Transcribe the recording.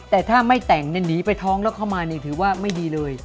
แต่ถ้าไม่แต่งหนีไปท้องแล้วเข้ามานี่ถือว่าไม่ดีเลย